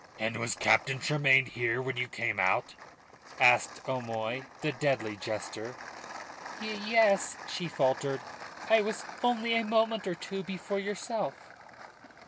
"And was Captain Tremayne here when you came out?" asked O'Moy, the deadly jester. "Ye es," she faltered. "I was only a moment or two before yourself."